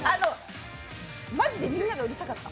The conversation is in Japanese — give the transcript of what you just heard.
マジでみんながうるさかった。